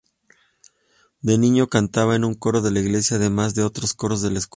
De niño cantaba en un coro de iglesia, además de otros coros de escuela.